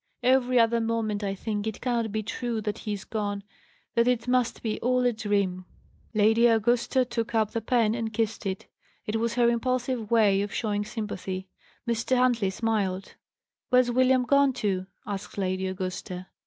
Every other moment I think it cannot be true that he is gone that it must be all a dream." Lady Augusta took up the pen and kissed it: it was her impulsive way of showing sympathy. Mr. Huntley smiled. "Where's William gone to?" asked Lady Augusta.